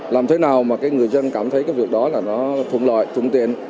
làm thế nào mà cái người dân cảm thấy cái việc đó là nó thùng loại thùng tiền